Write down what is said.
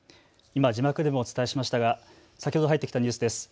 今、字幕でもお伝えしましたが先ほど入ってきたニュースです。